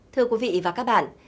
thưa quý vị và các bạn